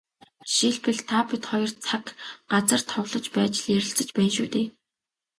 Жишээлбэл, та бид хоёр цаг, газар товлож байж л ярилцаж байна шүү дээ.